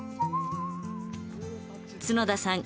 角田さん